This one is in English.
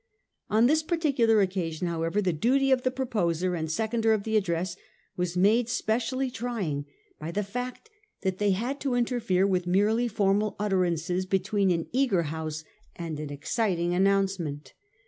On this particular occa sion, however, the duty of the proposer and seconder of the address was made specially trying by the fact 380 A HISTORY OF OUR OWN TIMES. CH. XT. that they had to interfere with merely formal utter ances between an eager House and an exciting an nouncement.